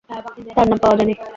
তার নাম পাওয়া যায়নি।